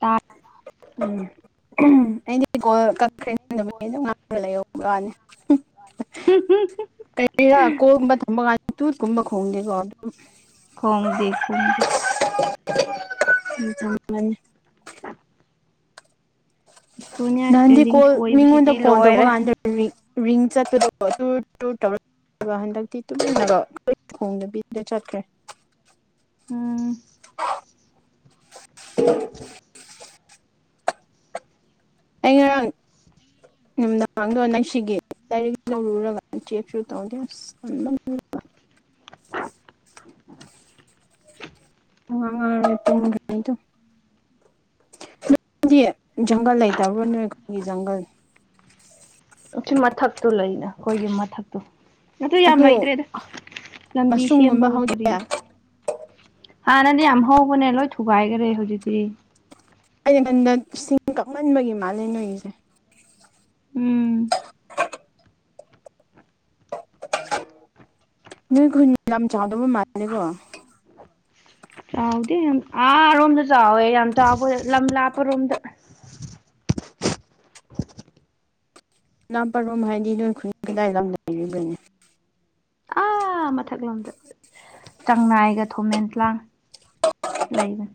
ꯇꯥꯛ ꯎꯝ ꯑꯩꯗꯤ ꯀꯣꯜ ꯀꯛ ꯑꯩꯗꯤ ꯀꯣꯜ ꯀꯛ [unintelligible] ꯀꯅꯤ ꯀꯔꯤꯔꯥ ꯀꯣꯜꯒꯨꯝꯕ ꯊꯝꯕ ꯀꯥꯟ ꯇꯨꯠꯀꯨꯝꯕ ꯈꯣꯡꯗꯦꯀꯣ ꯎꯝ ꯈꯣꯡꯗꯦ ꯈꯣꯡꯗꯦ [unintelligible] ꯁꯣꯅꯤꯌꯥ ꯅꯥꯍꯟꯗꯤ ꯏꯁꯄꯦꯂꯤꯡ ꯀꯣꯜ ꯃꯤꯉꯣꯟꯗ ꯁꯣꯏꯕꯁꯤꯗꯤ ꯀꯣꯜ ꯇꯧꯕ ꯂꯣꯏꯔꯦ ꯀꯥꯟꯗ ꯔꯤ ꯔꯤꯡ ꯆꯠꯄꯗꯣ ꯀꯣ ꯇꯨꯔ ꯇꯨꯔ ꯇꯧꯔ ꯑꯗꯨꯒ ꯍꯟꯗꯛꯇꯤ ꯇꯨꯃꯤꯟꯅꯒꯣ ꯈꯣꯡꯗꯕꯤꯗ ꯆꯠꯈ꯭ꯔꯦ [inaudible] [unintelligible] ꯑꯩ ꯉꯔꯥꯡ ꯅꯨꯃꯤꯗꯥꯡꯗꯣ ꯅꯪꯁꯤꯒꯤ ꯂꯥꯏꯔꯤꯛ ꯂꯧꯔꯨꯔꯒ ꯆꯦꯛꯁꯨ ꯇꯧꯗꯦ ꯑꯁ [unintelligible] ꯉꯥꯛ ꯉꯥꯏꯔꯦ ꯇꯨꯝꯗꯕꯩꯇꯣ ꯅꯗꯤ ꯖꯪꯒꯜ ꯂꯩꯇꯕ꯭ꯔꯣ ꯅꯣꯏ ꯑꯈꯣꯏꯒꯤ ꯖꯪꯒꯜ ꯑꯆꯤ ꯃꯊꯛꯇꯨ ꯂꯩꯅ ꯑꯈꯣꯏꯒꯤ ꯃꯊꯛꯇꯣ ꯑꯗꯨ ꯌꯥꯝ ꯂꯩꯇ꯭ꯔꯦꯗ ꯂꯝꯕꯤ ꯃꯁꯔꯨꯝꯒꯨꯝꯕ ꯁꯦꯝꯕꯒ ꯍꯧꯗꯦ ꯀꯔꯤꯒ ꯍꯥꯟꯅꯗꯤ ꯌꯥꯝ ꯍꯧꯕꯅꯦ ꯂꯣꯏ ꯊꯨꯒꯥꯏꯒꯔꯦ ꯍꯧꯖꯤꯛꯇꯤ ꯑꯩꯩꯅꯉꯟꯗ ꯏꯁꯤꯡ ꯀꯛꯃꯟꯕꯒꯤ ꯃꯥꯜꯂꯦ ꯅꯣꯏꯒꯤꯁꯦ ꯎꯝ ꯅꯣꯏ ꯈꯨꯟ ꯂꯝ ꯆꯥꯎꯗꯕ ꯃꯥꯜꯂꯦꯀꯣ ꯆꯥꯎꯗꯦ ꯌꯥꯝ ꯑꯥ ꯔꯣꯝꯗ ꯆꯥꯎꯋꯦ ꯌꯥꯝ ꯆꯕ ꯂꯥꯝ ꯂꯥꯞꯄꯔꯣꯝꯗ ꯅꯥꯄꯔꯣꯝ ꯍꯥꯏꯗꯤ ꯅꯣꯏ ꯈꯨꯟ ꯀꯗꯥꯏꯗ ꯂꯝꯗ ꯂꯩꯔꯤꯕꯅꯤ ꯑꯥ ꯃꯊꯛꯂꯣꯝꯗ ꯆꯥꯡꯅꯥꯏꯒ ꯊꯣꯃꯦꯟꯂꯥꯡ ꯂꯩꯕꯟ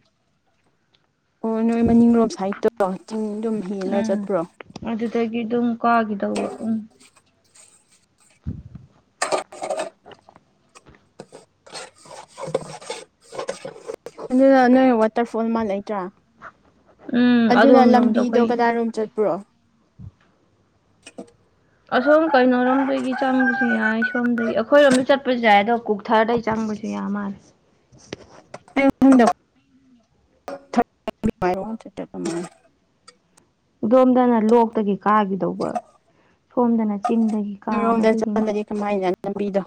ꯑꯣ ꯅꯣꯏ ꯃꯅꯤꯡꯔꯣꯝ ꯁꯥꯏꯠꯇꯣ ꯆꯤꯡꯗꯨꯝ ꯍꯦꯜꯂ ꯎꯝ ꯆꯠꯄ꯭ꯔꯣ ꯑꯗꯨꯗꯒꯤ ꯑꯗꯨꯝ ꯀꯥꯒꯤꯗꯧꯕ ꯎꯝ [inaudible] [inaudible] ꯑꯗꯨꯗ ꯅꯣꯏ ꯋꯥꯇꯔꯐꯣꯜ ꯃꯥ ꯂꯩꯇ꯭ꯔꯥ ꯎꯝ ꯑꯗꯨꯅ ꯑꯗꯣꯝ ꯂꯣꯝꯗ ꯂꯝꯕꯤꯗꯣ ꯑꯩꯈꯣꯏ ꯀꯗꯥꯏꯔꯣꯝ ꯆꯠꯄ꯭ꯔꯣ ꯑꯁꯣꯝ ꯀꯩꯅꯣꯔꯣꯝꯗꯒꯤ ꯆꯪꯕꯁꯨ ꯌꯥꯏ ꯁꯣꯝꯗꯒꯤ ꯑꯈꯣꯏꯔꯣꯝꯗ ꯆꯠꯄꯖ ꯌꯥꯏꯑꯗꯣ ꯀꯣꯛ ꯊꯥꯔꯗꯩ ꯆꯪꯕꯁꯨ ꯌꯥꯝ ꯃꯥꯜꯂꯦ [inaudible] ꯑꯩꯉꯣꯟꯗ [unintelligible] ꯗꯣꯝꯗꯅ ꯂꯣꯛꯇꯒꯤ ꯀꯥꯒꯤꯗꯧꯕ ꯁꯣꯝꯗꯅ ꯆꯤꯡꯗꯒꯤ ꯀꯥꯕ ꯅꯣꯏꯔꯣꯝꯗ ꯑꯗꯨꯒꯤꯅꯤ ꯆꯠꯄꯗꯗꯤ ꯀꯃꯥꯏꯅ ꯂꯝꯕꯤꯗꯣ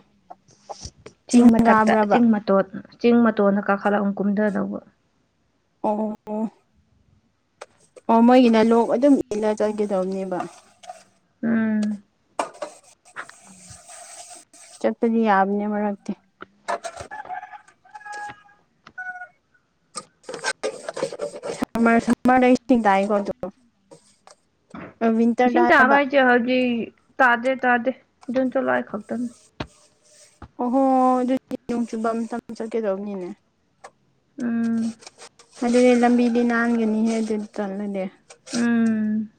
ꯆꯤꯡ ꯀꯥꯕ꯭ꯔꯕ ꯇꯣꯠ ꯆꯤꯡ ꯃꯇꯣꯟꯅ ꯀꯥꯈꯠꯂꯛ ꯑꯃꯨꯛ ꯀꯨꯝꯗꯗꯧꯕ ꯑꯣ ꯑꯣ ꯑꯣ ꯃꯣꯏꯒꯤꯅ ꯂꯣꯛ ꯑꯗꯨꯝ ꯏꯜꯂ ꯆꯠꯀꯦꯗꯧꯅꯦꯕ ꯎꯝ ꯆꯠꯄꯗꯤ ꯌꯥꯕꯅꯦ ꯃꯔꯛꯇꯤ ꯁꯃꯥꯔꯛ ꯁꯝꯃꯔꯗꯩ ꯏꯁꯤꯡ ꯇꯥꯏꯌꯦꯀꯣ ꯑꯗꯣ ꯋꯤꯟꯇꯔꯗ ꯏꯁꯤꯡ ꯍꯥꯏꯕ ꯇꯥꯕ ꯍꯥꯏꯖꯦ ꯍꯧꯖꯤꯛ ꯇꯥꯗꯦ ꯇꯥꯗꯦ ꯖꯨꯟ ꯖꯨꯂꯥꯏ ꯈꯛꯇꯅꯤ ꯑꯣꯍꯣ ꯑꯗꯨꯗꯤ ꯅꯣꯡ ꯆꯨꯕꯝ ꯇꯝ ꯆꯠꯀꯦꯗꯧꯕꯅꯤꯅꯦ ꯎꯝ ꯑꯗꯨꯗꯤ ꯂꯝꯕꯤꯗꯤ ꯅꯥꯟꯒꯅꯤꯍꯦ ꯑꯗꯨꯗꯤ ꯆꯜꯂꯗꯤ ꯎꯝ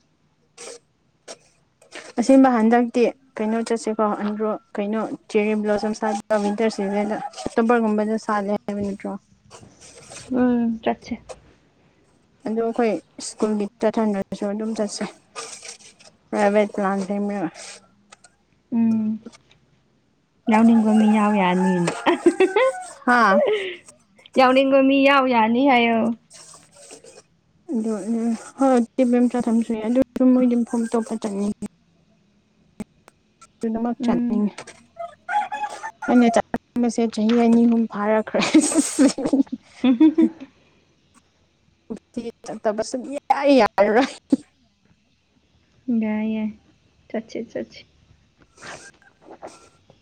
ꯑꯁꯦꯡꯕ ꯍꯟꯗꯛꯇꯤ ꯀꯩꯅꯣ ꯆꯠꯁꯦꯀꯣ ꯑꯟꯗ꯭ꯔꯣ ꯀꯩꯅꯣ ꯆꯦꯔꯤ ꯕ꯭ꯂꯣꯁꯝ ꯁꯥꯠꯄꯥ ꯋꯤꯟꯇꯔ ꯁꯤꯖꯟꯗ ꯑꯣꯛꯇꯣꯕꯔꯒꯨꯝꯕꯗ ꯁꯥꯠꯂꯦ ꯀꯦ ꯃꯤꯅꯤꯠꯇ꯭ꯔꯣ ꯎꯝ ꯆꯠꯁꯦ ꯑꯗꯣ ꯑꯩꯈꯣꯏ ꯁ꯭ꯀꯨꯜꯒꯤ ꯆꯠꯍꯟꯗ꯭ꯔꯥꯁꯨ ꯑꯗꯨꯝ ꯆꯠꯁꯦ ꯄ꯭ꯔꯥꯏꯚꯦꯠ ꯄ꯭ꯂꯥꯟꯇ [unintelligible] ꯎꯝ ꯌꯥꯎꯅꯤꯡꯕ ꯃꯤ ꯌꯥꯎ ꯌꯥꯅꯤꯅ ꯍꯥꯥ ꯌꯥꯎꯅꯤꯡꯕꯥ ꯃꯤ ꯌꯥꯎ ꯌꯥꯅꯤ ꯍꯥꯏꯌꯣ [inaudible] ꯑꯗꯣ ꯍꯣꯏ ꯀꯦꯕ ꯑꯃꯇ ꯊꯝ ꯁꯏꯦ ꯑꯗꯨꯁꯨ ꯃꯣꯏꯗꯤꯝ ꯐꯣꯟꯇꯣꯞꯄ ꯆꯠꯅꯤꯡꯉꯦ [unintelligible] ꯑꯗꯨꯅꯃꯠ ꯎꯝ ꯆꯠꯅꯤꯡꯉꯦ ꯑꯩꯅ ꯆꯠꯅꯤꯡꯕꯁꯦ ꯆꯍꯤ ꯑꯅꯤ ꯑꯍꯨꯝ ꯐꯥꯔꯛꯈ꯭ꯔꯦ ꯍꯟꯗꯛꯇꯤ ꯆꯠꯇꯕ ꯁꯨꯛ ꯌꯥ ꯌꯥꯔꯔꯣꯏ ꯌꯥꯏ ꯌꯥꯏ ꯆꯠꯆꯤ ꯆꯠꯆꯤ [unintelligible]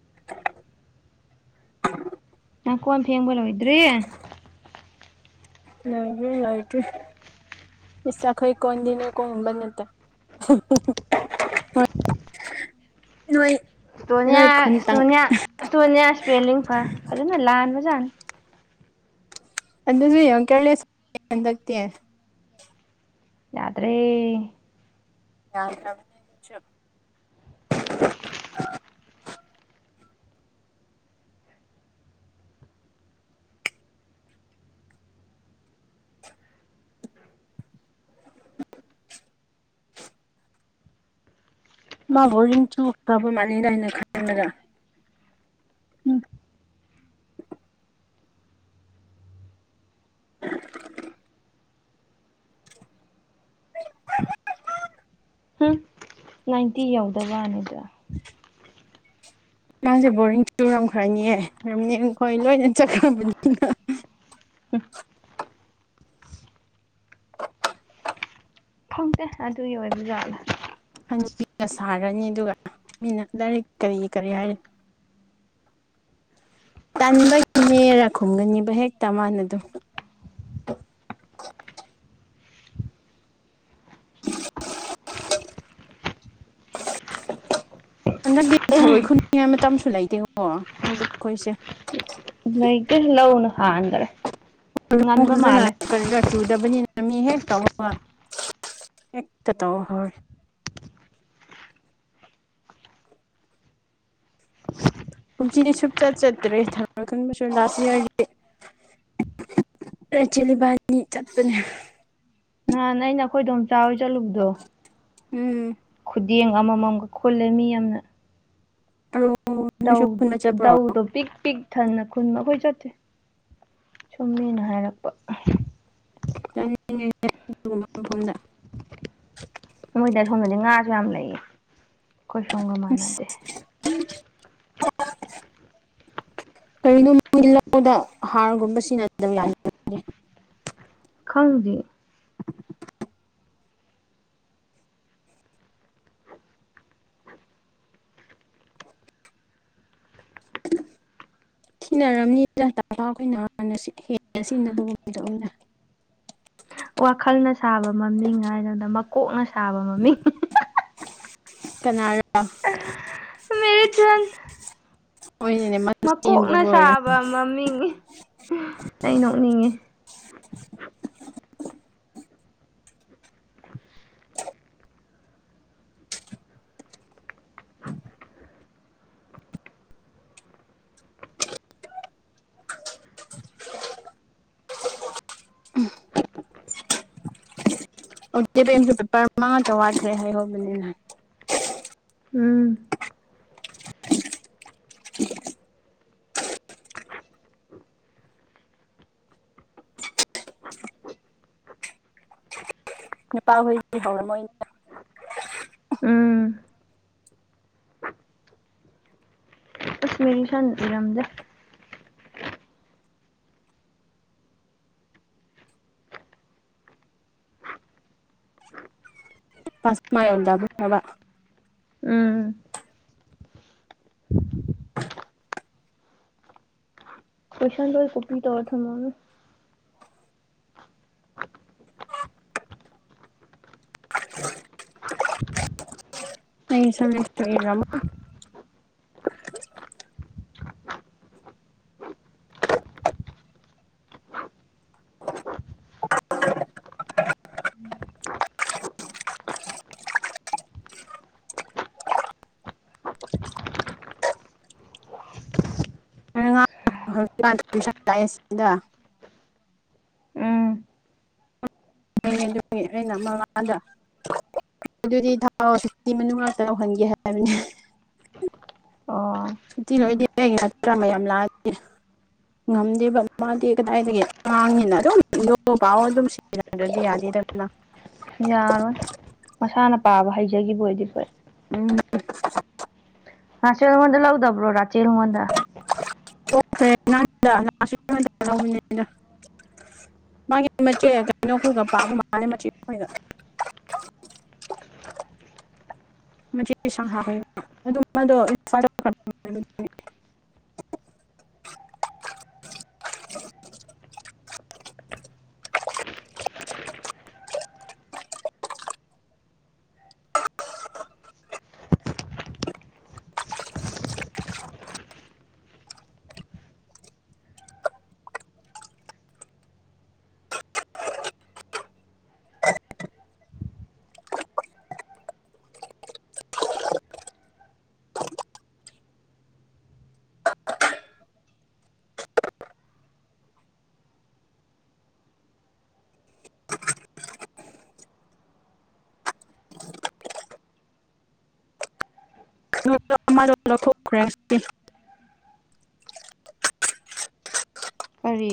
[unintelligible] ꯅꯪ ꯀꯣꯟ ꯐꯦꯡꯕ ꯂꯣꯏꯗ꯭ꯔꯤ ꯂꯣꯏꯗ꯭ꯔꯤ ꯂꯣꯏꯗ꯭ꯔꯤ ꯏꯁ ꯑꯈꯣꯏ ꯀꯣꯟꯗꯤꯅꯦ ꯀꯣꯝꯕꯅꯦꯇ ꯅꯣꯏ ꯁꯣꯅꯤꯌꯥ ꯅꯣꯏ ꯈꯨꯟꯇꯪ ꯁꯣꯅꯤꯌꯥ ꯁꯣꯅꯤꯌꯥ ꯏꯁꯄꯦꯂꯤꯡ ꯐ ꯐꯖꯅ ꯂꯥꯟꯕ ꯖꯥꯠꯅꯤ ꯑꯗꯨꯗꯤ ꯌꯥꯝ ꯀꯦꯌꯔꯂꯦꯁ ꯍꯟꯗꯛꯇꯤ ꯌꯥꯗ꯭ꯔꯦ ꯌꯥ [unintelligible] ꯃꯥ ꯕꯣꯔꯤꯡ ꯆꯨꯈꯔꯥꯕ ꯃꯥꯜꯂꯤꯗ ꯑꯩꯅ ꯈꯟꯕꯗꯥ [unintelligible] [unintelligible] ꯎꯝ ꯅꯥꯏꯟꯇꯤ ꯌꯥꯎꯗꯕ ꯋꯥꯅꯤꯗ ꯅꯪꯁꯦ ꯕꯣꯔꯤꯡ ꯆꯨꯔꯝꯈ꯭ꯔꯅꯤ ꯔꯝꯅꯤꯡ ꯈꯣꯏ ꯂꯣꯏꯅ ꯆꯠꯈ꯭ꯔꯕꯅꯤꯅ ꯍꯨꯝ ꯈꯪꯗꯦ ꯑꯗꯨꯒꯤ ꯑꯣꯏꯕ ꯖꯠꯂꯥ ꯍꯟꯗꯛ ꯄꯤꯛꯅꯥ ꯁꯥꯔꯅꯤ ꯑꯗꯨꯒ ꯃꯤꯅ ꯂꯥꯏꯔꯤꯛ ꯀꯔꯤ ꯀꯔꯤ ꯍꯥꯏꯔꯤ ꯇꯟꯕꯒꯤꯅꯦꯔꯥ ꯈꯨꯝꯒꯅꯤꯕ ꯍꯦꯛꯇ ꯃꯥꯟꯅꯗꯣ ꯍꯟꯗꯛꯇꯤ ꯊꯔꯣꯏ ꯈꯨꯅꯤꯡꯉꯥꯏ ꯃꯇꯝꯁꯨ ꯂꯩꯇꯦꯀꯣ ꯂꯧꯕꯨꯛ ꯈꯣꯏꯁꯦ ꯂꯩꯇꯦ ꯂꯧꯅ ꯍꯥꯟꯒ꯭ꯔꯦ ꯈꯖꯅ [inaudible] ꯀꯔꯤꯔꯥ ꯆꯨꯗꯕꯅꯤꯅ ꯃꯤ ꯍꯦꯛ ꯇꯧꯕꯒ ꯍꯦꯛꯇ ꯇꯧꯑꯣ ꯍꯣꯏ ꯀꯨꯝꯁꯤꯗꯤ ꯁꯨꯞꯆꯠ ꯆꯠꯇ꯭ꯔꯦ ꯊꯧꯔꯣꯏ ꯈꯨꯟꯕꯁꯨ ꯂꯥꯁ ꯏꯌꯥꯔꯒꯤ ꯆꯦꯂꯤꯕꯥꯅꯤ ꯆꯠꯄꯅꯦ ꯅꯍꯥꯟ ꯑꯩꯅ ꯑꯩꯈꯣꯏ ꯗꯣꯝꯆꯥ ꯍꯣꯏ ꯆꯠꯂꯨꯕꯗꯣ ꯎꯝ ꯈꯨꯗꯦꯡ ꯑꯃꯃꯝꯒ ꯈꯨꯜꯂꯦ ꯃꯤ ꯌꯥꯝꯅ ꯊꯔꯣꯏ ꯗꯧ ꯅꯣꯏꯁꯨ ꯈꯨꯟꯕ ꯆꯠꯄ꯭ꯔꯣ ꯗꯧꯗꯣ ꯄꯤꯛ ꯄꯤꯛ ꯊꯟꯅ ꯈꯨꯟ ꯑꯩꯈꯣꯏ ꯆꯠꯇꯦ ꯁꯨꯝ ꯃꯤꯅ ꯍꯥꯏꯔꯛꯄ꯫ [inaudible] ꯃꯣꯏꯗ ꯁꯣꯝꯗꯗꯤ ꯉꯥꯁꯨ ꯌꯥꯝ ꯂꯩꯌꯦ꯫ ꯑꯩꯈꯣꯏ ꯁꯣꯝꯒ ꯃꯥꯟꯅꯗꯦ [unintelligible] [unintelligible] ꯀꯔꯤꯅꯣ ꯃꯣꯏ ꯂꯧꯗ ꯍꯥꯔꯒꯨꯝꯕ ꯁꯤꯅ [inaudible] ꯈꯪꯗꯦ꯫ [inaudible] ꯋꯥꯈꯜꯅ ꯁꯥꯕ ꯃꯃꯤꯡ ꯍꯥꯏꯗꯅ ꯃꯀꯣꯛꯅ ꯁꯥꯕ ꯃꯃꯤꯡ [unintelligible] ꯀꯅꯥꯔ [unintelligible] ꯍꯣꯏꯅꯤꯅꯦ ꯃꯠ ꯃꯀꯣꯛꯅ ꯁꯥꯕ ꯃꯃꯤꯡ ꯑꯩ ꯅꯣꯛꯅꯤꯡꯉꯦ꯫ [unintelligible] [unintelligible] ꯑꯣꯀꯦꯁꯨ ꯄꯦꯄꯔ ꯃꯉꯥꯇ ꯋꯥꯠꯊ꯭ꯔꯦ ꯍꯥꯏꯍꯧꯕꯅꯤꯅ꯫ ꯎꯝ [unintelligible] ꯅꯨꯄꯥꯍꯣꯏꯁꯤ ꯍꯧꯔꯝꯃꯣꯏ [inaudible] ꯎꯝ ꯀꯁꯃꯤꯔꯤ ꯁꯟ ꯏꯔꯝꯗꯦ꯫ ꯄꯁ ꯃꯥꯛ ꯌꯧꯔꯝꯗ ꯐꯕ꯫ ꯎꯝ ꯀꫭꯏꯁꯟ ꯂꫭꯏ ꯀꯣꯄꯤ ꯇꯧꯔ ꯊꯝ [inaudible] [unintelligible] [unintelligible] [inaudible] [unintelligible] ꯃꯉꯥ [inaudible] ꯎꯝ ꯑꯩꯅ ꯑꯗꯨꯒꯤ ꯑꯩꯅ ꯃꯃꯥꯗ ꯑꯗꯨꯗꯤ ꯊꯥꯎꯤ ꯃꯅꯨꯡ ꯉꯥꯛꯇ ꯌꯧꯍꯟꯒꯦ ꯍꯥꯏꯕꯅꯦ꯫ ꯑꯣ꯫ ꯁꯨꯇꯤ ꯂꯣꯏꯗꯦ ꯑꯩ ꯉꯠꯇ꯭ꯔꯥ ꯃꯌꯥꯝ ꯂꯥꯛꯑꯗꯤ ꯉꯝꯗꯦꯕ ꯃꯥꯗꯤ ꯀꯗꯥꯏꯗꯒꯤ ꯃꯥꯡꯉꯤꯅ ꯑꯗꯨ [inaudible] ꯄꯥꯎ ꯑꯗꯨꯝ ꯁꯤꯟ [inaudible] ꯌꯥꯔꯣꯏ ꯃꯁꯥꯅ ꯄꯥꯕ ꯍꯩꯖꯕ ꯑꯣꯏꯗꯤ ꯐꯩ꯫ ꯎꯝ ꯔꯥꯆꯦꯜꯉꯣꯟꯗ ꯂꯧꯎꯗꯕ꯭ꯔꯣ ꯔꯥꯆꯦꯜꯉꫭꯟꯗ꯫ [inaudible] ꯃꯥꯅꯦ ꯃꯆꯦꯠ ꯀꯩꯅꯣ ꯈꯣꯏꯒ ꯄꯒ ꯃꯥꯜꯂꯦ ꯃꯆꯦ ꯈꯣꯏꯒ꯫ ꯃꯆꯦ [inaudible] [inaudible] ꯀꯔꯤ꯫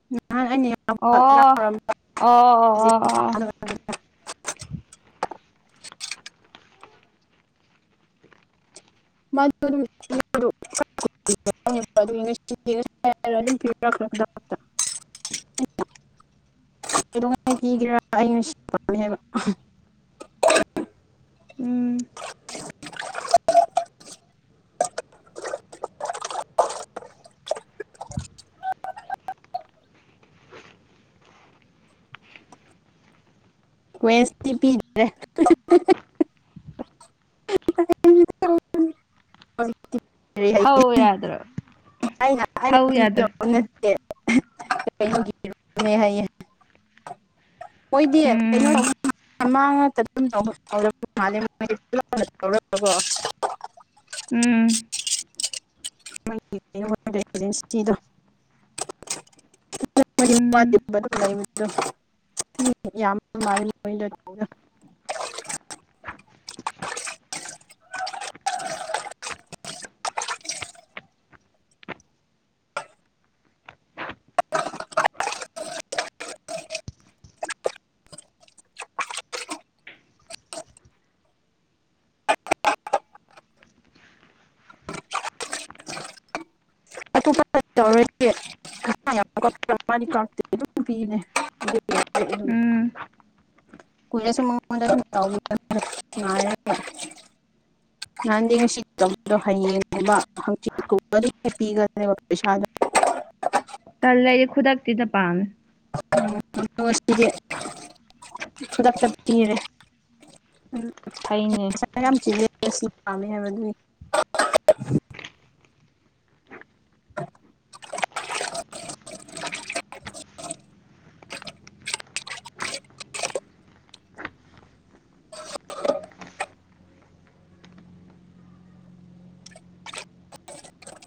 [inaudible] ꯑꯣ ꯌꯥꯎꯔꯝꯕ ꯑꯣ ꯑꯣ꯫ [unintelligible] [inaudible] [unintelligible] [unintelligible] ꯀꯩꯗꯧꯉꯥꯏ ꯄꯤꯒꯦꯔꯥ [unintelligible] ꯎꯝ ꯋꯦꯅꯁꯗꯦ ꯄꯤꯗꯧꯔꯦ [unintelligible] [unintelligible] ꯑꯩꯅ ꯊꯧ ꯌꯥꯗ꯭ꯔꯣ [unintelligible] ꯊꯧ ꯌꯥꯗ꯭ꯔꯣ ꯃꯣꯏꯗꯤ ꯀꯩꯅꯣ ꯎꯝ ꯇꯧ [unintelligible] [unintelligible] ꯎꯝ [unintelligible] [unintelligible] ꯎꯝ [unintelligible] [unintelligible] [unintelligible] ꯎꯝ [unintelligible] ꯅꯍꯥꯟꯗꯤ ꯉꯁꯤ ꯇꯧꯕꯗꯣ ꯍꯌꯦꯡꯅꯦꯕ ꯍꯪꯆꯤꯠꯀꯨꯝꯕ ꯄꯤꯒꯅꯦꯕ ꯄꯩꯁꯥꯗꯣ ꯇꯟꯂꯦ ꯑꯩ ꯈꯨꯗꯛꯁꯤꯗ ꯄꯥꯝꯃꯤ [unintelligible] ꯐꯩꯅꯦ [unintelligible] [unintelligible] [unintelligible] [unintelligible] [unintelligible]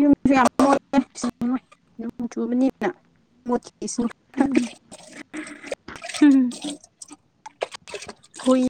ꯌꯨꯝꯁꯨ ꯌꯥꯝ ꯃꯣꯜꯂꯦ [unintelligible] ꯅꯣꯡ ꯆꯨꯕꯅꯤꯅ ꯃꯣꯠꯀꯦꯁꯨ ꯎꯝ ꯍꯨꯝ ꯍꯨꯏ